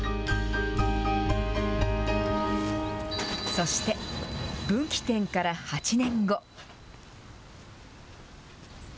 そして、分岐点から８年後。